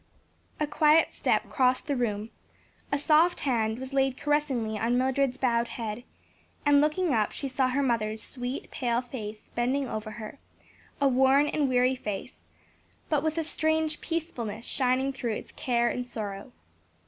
A quiet step crossed the room, a soft hand was laid caressingly on Mildred's bowed head, and looking up she saw her mother's sweet, pale face bending over her; a worn and weary face, but with a strange peacefulness shining through its care and sorrow.